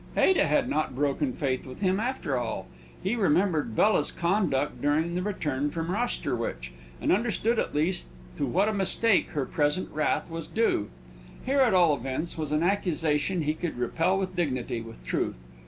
Ada had not broken faith with him, after all. He remembered Bella's conduct during the return from Rosherwich, and understood at last to what a mistake her present wrath was due. Here, at all events, was an accusation he could repel with dignity, with truth.